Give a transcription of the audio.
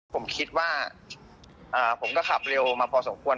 ผมคิดว่าผมก็ขับเร็วมาพอสมควร